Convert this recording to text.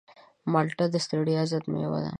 مالټه د ستړیا ضد مېوه ده.